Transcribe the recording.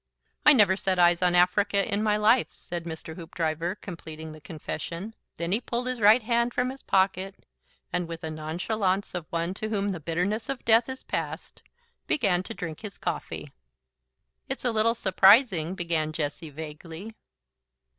"I never set eyes on Africa in my life," said Mr. Hoopdriver, completing the confession. Then he pulled his right hand from his pocket, and with the nonchalance of one to whom the bitterness of death is passed, began to drink his coffee. "It's a little surprising," began Jessie, vaguely.